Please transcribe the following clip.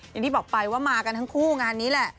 อย่างที่บอกไปว่ามากันทั้งคู่งานนี้แหละ